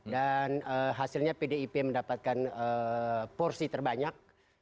dan hasilnya pdip mendapatkan porsi terbanyak